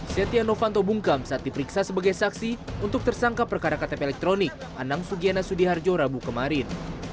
setia novanto bungkam saat diperiksa sebagai saksi untuk tersangka perkara ktp elektronik anang sugiana sudiharjo rabu kemarin